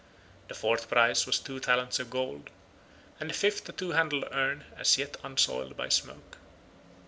The fourth prize was two talents of gold, and the fifth a two handled urn as yet unsoiled by smoke.